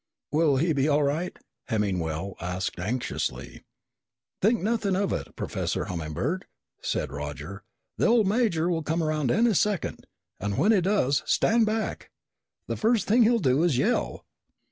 "Will he be all right?" Hemmingwell asked anxiously. "Think nothing of it, Professor Hummingbird," said Roger. "The old major will come around any second, and when he does, stand back. The first thing he'll do is yell."